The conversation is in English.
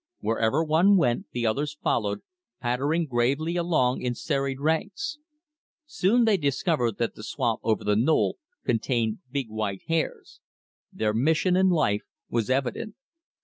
Wherever one went, the others followed, pattering gravely along in serried ranks. Soon they discovered that the swamp over the knoll contained big white hares. Their mission in life was evident.